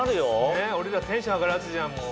ねぇ俺らテンション上がるやつじゃん。